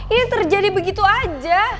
ini terjadi begitu aja